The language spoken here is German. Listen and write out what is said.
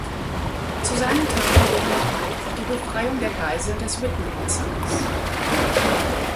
Zu seinen Taten gehört auch die Befreiung der Geiseln des Whitman-Massakers.